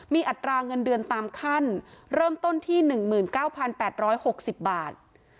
มีอัตราเงินเดือนตามขั้นเริ่มต้นที่๑๙๘๖๐บาท